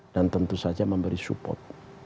dan tentu saja memberi support